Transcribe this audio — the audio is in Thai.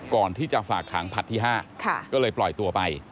ก่อนที่จะฝากขังผลัดที่๕ก็เลยปล่อยตัวไป